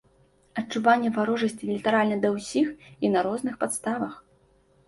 Адчуванне варожасці літаральна да ўсіх і на розных падставах.